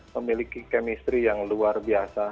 memiliki kemistri yang luar biasa